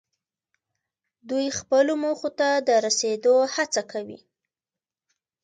دوی خپلو موخو ته د رسیدو هڅه کوي.